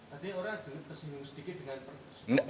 artinya orang yang tersinggung sedikit dengan